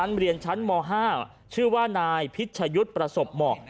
อีกตัวเปลี่ยนชั้นม๕ชื่อว่านายพิชยุทธ์ประศพหมอ